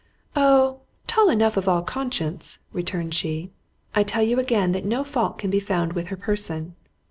"Oh, tall enough of all conscience," returned she; "I tell you again that no fault can be found with her person."